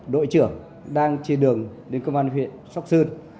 đội trưởng đang trên đường đến công an huyện sóc sơn